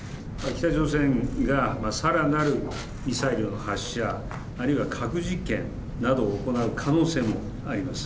北朝鮮がさらなるミサイルの発射、あるいは核実験などを行う可能性もあります。